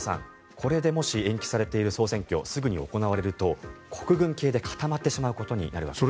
これでもし延期されている総選挙すぐに行われると国軍系で固まってしまうことになるわけです。